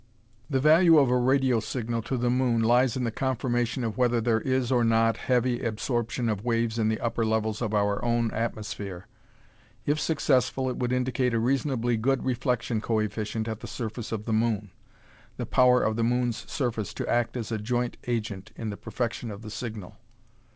The value of a radio signal to the moon lies in the confirmation of whether there is or not heavy absorption of waves in the upper levels of our own atmosphere. If successful it would indicate a reasonably good reflection coefficient at the surface of the moon the power of the moon's surface to act as a joint agent in the perfection of the signal.